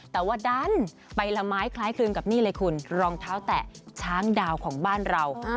แต่ว่าดันไปละไม้คล้ายคลึงกับนี่เลยคุณรองเท้าแตะช้างดาวของบ้านเรา